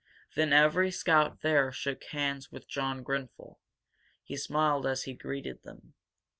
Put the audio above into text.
Then every scout there shook hands with John Grenfel. He smiled as he greeted them.